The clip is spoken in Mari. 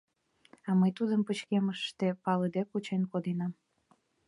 А мый тудым пычкемыште палыде кучен конденам.